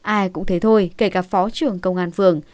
ai cũng thế thôi kể cả phó trưởng công an phường